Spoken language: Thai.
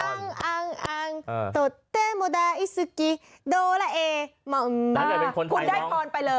อังอังอังตดเต้มดาอิสุกี้โดราเอมอนม่า